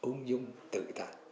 ông dung tự tạ